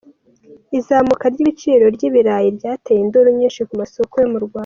Izamuka ry’ibiciro by’ibirayi ryateye induru nyinshi ku masoko yo mu Rwanda.